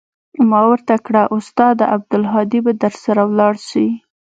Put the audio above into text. ما ورته كړه استاده عبدالهادي به درسره ولاړ سي.